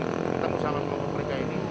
ditemukan sama kelompok mereka ini